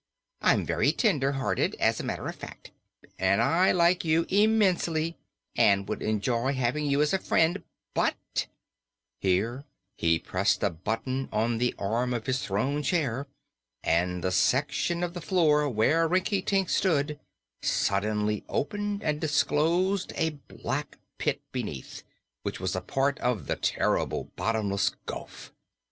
I'm very tender hearted, as a matter of fact, and I like you immensely, and would enjoy having you as a friend, but " Here he pressed a button on the arm of his throne chair and the section of the floor where Rinkitink stood suddenly opened and disclosed a black pit beneath, which was a part of 'the terrible Bottomless Gulf.